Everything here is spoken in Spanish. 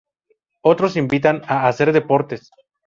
Otros invitan a hacer deportes.